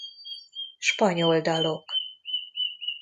Spanyol dalok